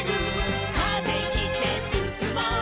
「風切ってすすもう」